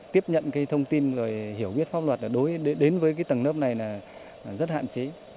tiếp nhận thông tin rồi hiểu biết pháp luật đến với tầng lớp này là rất hạn chế